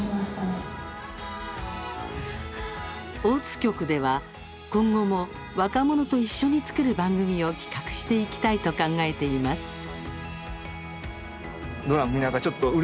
大津局では、今後も若者と一緒に作る番組を企画していきたいと考えています。